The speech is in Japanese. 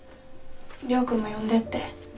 亮君も呼んでって。